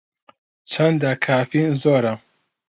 چەندە کافین زۆرە؟